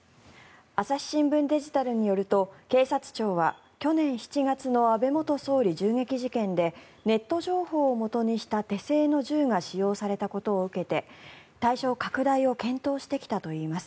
朝日新聞デジタルによると警察庁は去年７月の安倍元総理銃撃事件でネット情報をもとにした手製の銃が使用されたことを受けて対象拡大を検討してきたといいます。